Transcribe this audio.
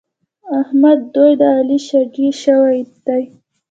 احمد دوی د علي شاګی شوي دي.